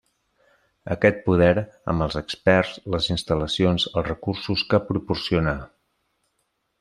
Aquest poder, amb els experts, les instal·lacions, els recursos que proporciona.